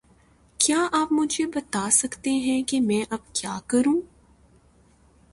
کیا آپ مجھے بتا سکتے ہے کہ میں اب کیا کروں؟